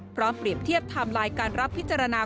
พร้อมเปรียบเทียบทำลายการรับพิจารณา